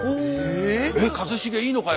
「えっ一茂いいのかよ」